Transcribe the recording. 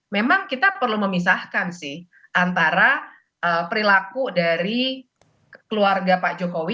memang kita perlu memisahkan sih antara perilaku dari keluarga pak jokowi